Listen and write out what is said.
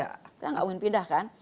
kita enggak mungkin pindah kan